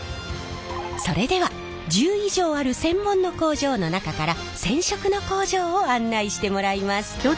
それでは１０以上ある専門の工場の中から染色の工場を案内してもらいます。